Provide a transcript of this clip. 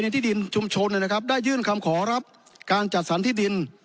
ที่ดินชุมชนได้ยื่นคำขอรับการจัดสรรที่ดิน